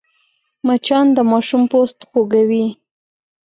مچان د ماشوم پوست خوږوي